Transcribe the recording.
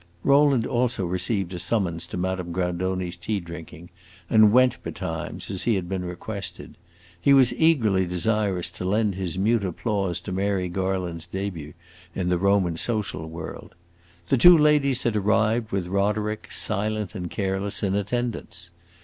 Rowland also received a summons to Madame Grandoni's tea drinking, and went betimes, as he had been requested. He was eagerly desirous to lend his mute applause to Mary Garland's debut in the Roman social world. The two ladies had arrived, with Roderick, silent and careless, in attendance.